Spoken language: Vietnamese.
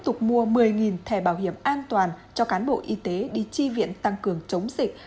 tục mua một mươi thẻ bảo hiểm an toàn cho cán bộ y tế đi chi viện tăng cường chống dịch